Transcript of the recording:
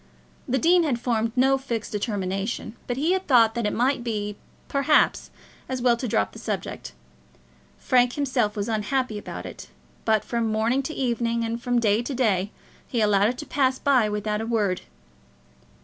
The dean had formed no fixed determination, but he had thought that it might be, perhaps, as well to drop the subject. Frank himself was unhappy about it; but from morning to evening, and from day to day, he allowed it to pass by without a word.